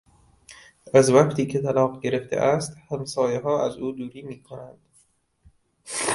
از وقتی که طلاق گرفته است همسایهها از او دوری میکنند.